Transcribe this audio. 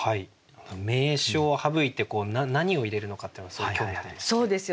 名詞を省いて何を入れるのかっていうのはすごく興味があります。